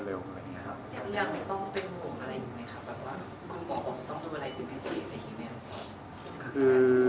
คุณหมอต้องดูอะไรที่พิสิทธิ์ในที่นี้ครับ